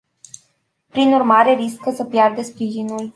Prin urmare, riscă să piardă sprijinul.